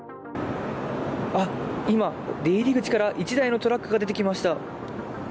今、出入り口から１台のトラックが出てきました。